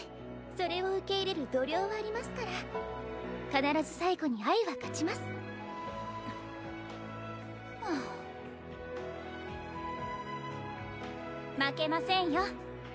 それを受け入れる度量はありますから必ず最後に愛は勝ちますはあ負けませんよ